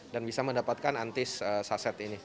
dan bisa mendapatkan antis hacet ini